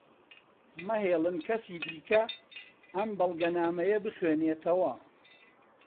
مەهێڵن کەسی دیکە ئەم بەڵگەنامەیە بخوێنێتەوە.